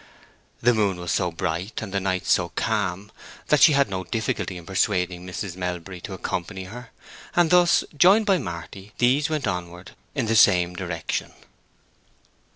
The moon was so bright and the night so calm that she had no difficulty in persuading Mrs. Melbury to accompany her; and thus, joined by Marty, these went onward in the same direction.